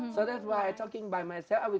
jadi karena itu saya berbicara sendiri